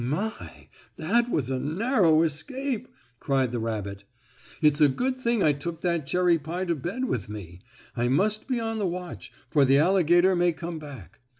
"My! That was a narrow escape!" cried the rabbit. "It's a good thing I took that cherry pie to bed with me. I must be on the watch, for the alligator may come back."